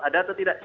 ada atau tidak